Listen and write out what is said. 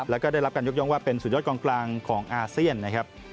แล้วก็ได้รับการยกย่องว่าเป็นสุดยอดกองกลางของอาเซียนนะครับ